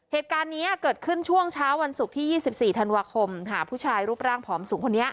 เหตุการณ์นี้เกิดขึ้นช่วงเช้าวันศุกร์ที่๒๔ธันวาคมหาผู้ชายรูปร่างผอมสูงคนนี้